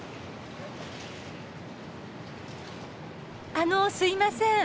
あのすいません。